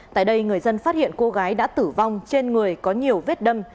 tại đây người dân phát hiện cô gái đã tử vong trên người có nhiều vết đâm